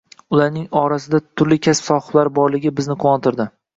Ularning orasida turli kasb sohiblari borligi bizni quvontirdi.